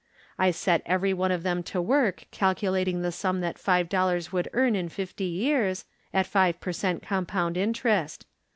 I set every one of them to work calculating the sum that five dollars would earn in fifty years, at five per cent, compound interest.